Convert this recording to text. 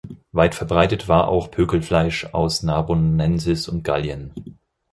Weit verbreitet war auch Pökelfleisch aus Narbonensis und Gallien.